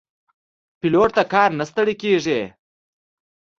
پیلوټ د کار نه ستړی نه کېږي.